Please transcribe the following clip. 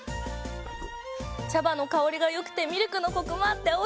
茶葉の香りがよくてミルクのコクもあっておいしい！